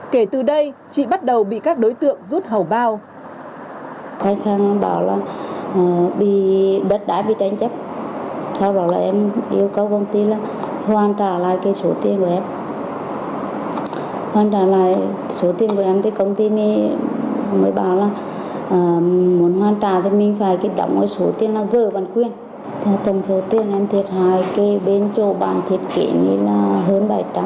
kể từ đây chị bắt đầu bị các đối tượng rút hầu bao